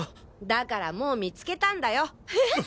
だからもう見つけたんだよ。え！？